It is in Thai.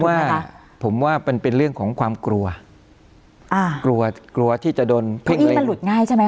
ว่าผมว่ามันเป็นเรื่องของความกลัวอ่ากลัวกลัวที่จะโดนเพลงนี้มันหลุดง่ายใช่ไหม